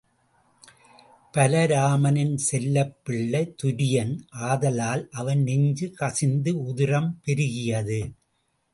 பலராமனின் செல்லப்பிள்ளை துரியன் ஆதலால் அவன் நெஞ்சு கசிந்து உதிரம் பெருக்கியது.